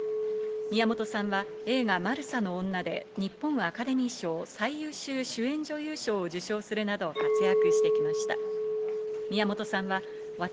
宮本さんは映画『マルサの女』で日本アカデミー賞、最優秀主演女優賞を受賞するなど活躍してきました。